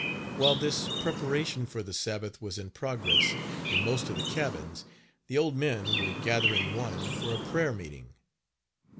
While this preparation for the Sabbath was in progress in most of the cabins, the old men would gather in one for a prayer meeting.